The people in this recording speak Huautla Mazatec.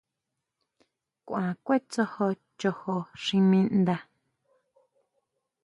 Kuan kʼuetsojo chojo xi mi ndá.